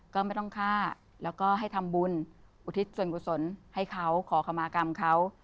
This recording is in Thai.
ก็ไม่ต้องฆ่าแล้วก็ให้ทำบุญอุทิศส่วนกุศลให้เขาขอคำมากรรมเขา